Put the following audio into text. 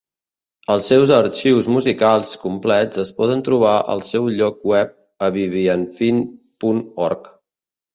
Els seus arxius musicals complets es poden trobar al seu lloc web a vivianfine punt org.